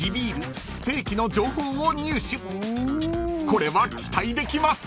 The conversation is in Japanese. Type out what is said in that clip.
［これは期待できます］